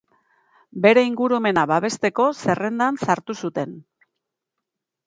Bere ingurumena babesteko zerrendan sartu zuten.